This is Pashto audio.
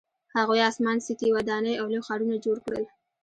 هغوی اسمان څکې ودانۍ او لوی ښارونه جوړ کړل